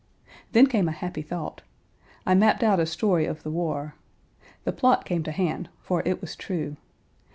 Then came a happy thought. I mapped out a story of the war. The plot came to hand, for it was true.